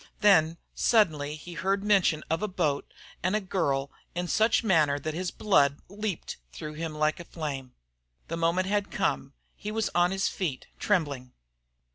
Then suddenly he heard mention of a boat and a girl in such manner that his blood leaped through him like a flame. The moment had come. He was on his feet trembling.